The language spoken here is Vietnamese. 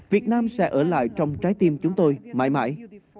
việt nam sẽ ở lại trong trái tim chúng tôi mãi mãi